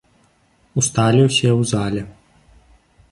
Усталі ўсе ў зале.